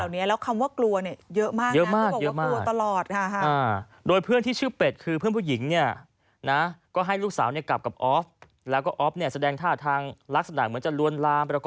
เนี่ยค่ะข้อความเหล่านี้แล้วคำว่ากลัวเนี่ยเยอะมาก